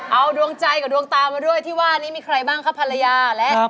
เอาดวงใจกับดวงตามาด้วยที่ว่านี้มีใครบ้างครับภรรยาและ